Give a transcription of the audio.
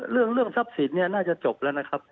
เรื่องทรัพย์สินเนี่ยน่าจะจบแล้วนะครับ